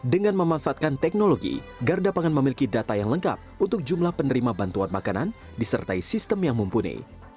dengan memanfaatkan teknologi garda pangan memiliki data yang lengkap untuk jumlah penerima bantuan makanan disertai sistem yang mumpuni